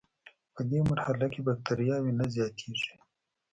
پدې مرحله کې بکټریاوې نه زیاتیږي.